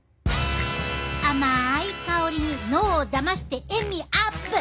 甘い香りに脳をだまして塩味アップ！